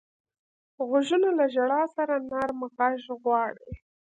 غوږونه له ژړا سره نرمه غږ غواړي